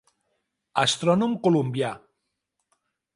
Astrònom colombià.